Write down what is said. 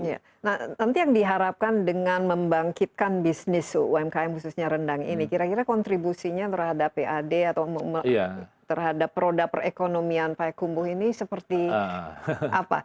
iya nah nanti yang diharapkan dengan membangkitkan bisnis umkm khususnya rendang ini kira kira kontribusinya terhadap pad atau terhadap roda perekonomian payakumbuh ini seperti apa